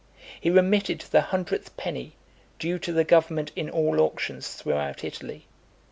He remitted the hundredth penny, due to the government in all auctions throughout Italy.